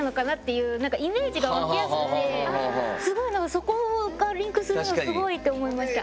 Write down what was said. そこがリンクするのすごいって思いました。